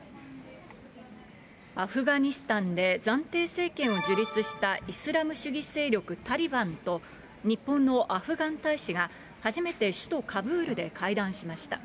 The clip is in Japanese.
アフガニスタンで暫定政権を樹立したイスラム主義勢力タリバンと、日本のアフガン大使が、初めて首都カブールで会談しました。